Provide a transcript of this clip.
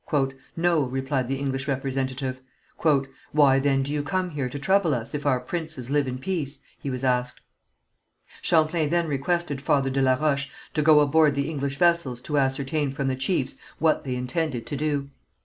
"No," replied the English representative. "Why, then, do you come here to trouble us if our princes live in peace?" he was asked. Champlain then requested Father de la Roche to go aboard the English vessels to ascertain from the chiefs what they intended to do.